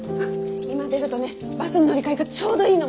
今出るとねバスの乗り換えがちょうどいいの。